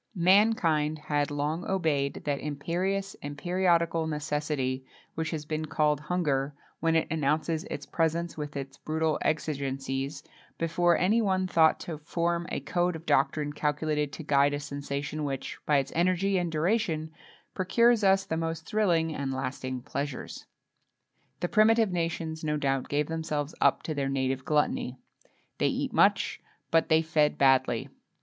Mankind had long obeyed that imperious and periodical necessity which has been called hunger, when it announces its presence with its brutal exigencies, before any one thought to form a code of doctrine calculated to guide a sensation which, by its energy and duration, procures us the most thrilling and lasting pleasures. The primitive nations no doubt gave themselves up to their native gluttony. They eat much, but they fed badly.